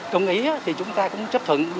công ý thì chúng ta cũng chấp thuận